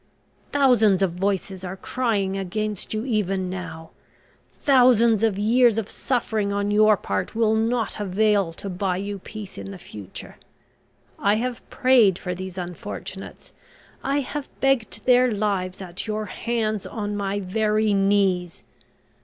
Thousands of voices are crying against you even now. Thousands of years of suffering on your part will not avail to buy you peace in the future. I have prayed for these unfortunates, I have begged their lives at your hands on my very knees.